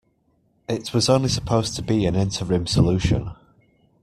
It was only supposed to be an interim solution.